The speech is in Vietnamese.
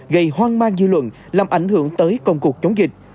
gây hoang mang dư luận làm ảnh hưởng tới công cuộc chống dịch